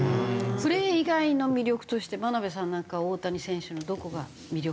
プレー以外の魅力として眞鍋さんなんかは大谷選手のどこが魅力的だと思いますか？